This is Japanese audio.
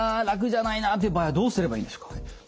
「楽じゃないな」っていう場合はどうすればいいんでしょうか？